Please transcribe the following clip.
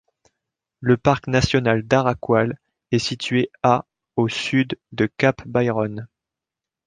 Le Parc national d'Arakwal est situé à au sud de Cap Byron.